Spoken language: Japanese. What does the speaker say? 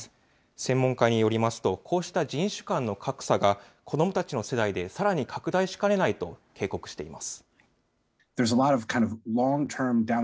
専門家によりますと、こうした人種間の格差が、子どもたちの世代でさらに拡大しかねないと警告しています。